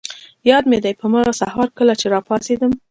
یاد مي دي، په هماغه سهار کله چي راپاڅېدم.